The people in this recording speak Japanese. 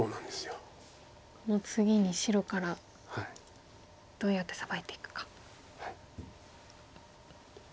この次に白からどうやってサバいていくか。